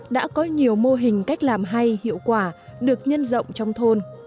đã có nhiều mô hình cách làm hay hiệu quả được nhân rộng trong thôn